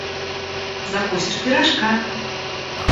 Закусишь пирожка!